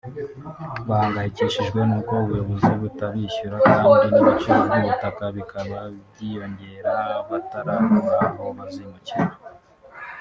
bahangayikishijwe n’uko ubuyobozi butabishyura kandi n’ ibiciro by’ubutaka bikaba byiyongera bataragura aho bazimukira